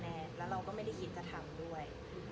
แล้วเราก็ไม่ได้คิดจะทำด้วย